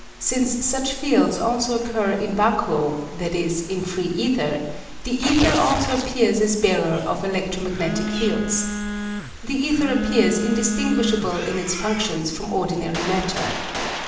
Since such fields also occur in vacuo i.e. in free ether the ether also appears as bearer of electromagnetic fields. The ether appears indistinguishable in its functions from ordinary matter.